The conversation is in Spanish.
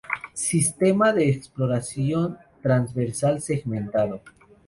Sistema de exploración transversal segmentado.